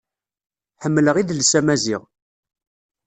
Ḥemmleɣ idles amaziɣ.